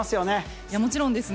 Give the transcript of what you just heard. もちろんですね。